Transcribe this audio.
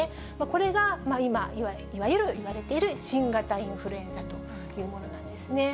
これが今、いわゆるいわれている新型インフルエンザというものなんですね。